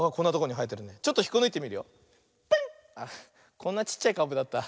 こんなちっちゃいかぶだった。